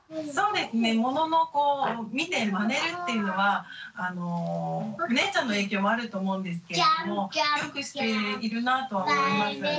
そうですねもののこう見てまねるっていうのはお姉ちゃんの影響もあると思うんですけれどもよくしているなぁとは思います。